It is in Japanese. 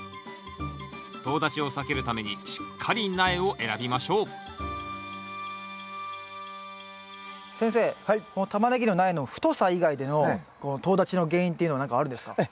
とう立ちを避けるためにしっかり苗を選びましょう先生このタマネギの苗の太さ以外でのこのとう立ちの原因っていうのは何かあるんですか？